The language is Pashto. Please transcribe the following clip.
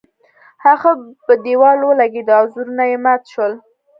هغه په دیوال ولګیده او وزرونه یې مات شول.